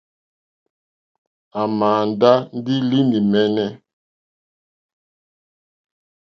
À màà ndá ndí línì mɛ́ɛ́nɛ́.